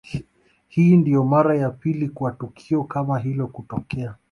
Hii ndio mara ya pili kwa tukio kama hilo kutokea